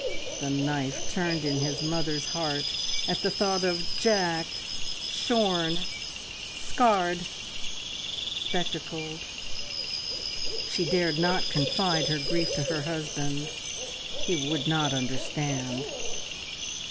The knife turned in his mother's heart at the thought of Jack shorn, scarred, spectacled. She dared not confide her grief to her husband. He would not understand.